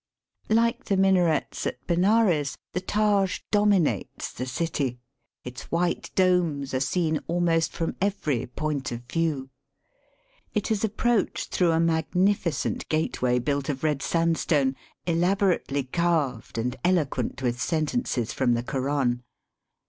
Like the minarets at Benares, the Taj dominates the city. Its v^hite domes are seen almost from every point of view. It is approached through a magnificent gateway built of red sandstone elaborately carved and eloquent with sentences from the Koran.